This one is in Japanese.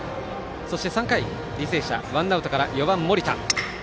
そして３回、履正社ワンアウトから４番森田。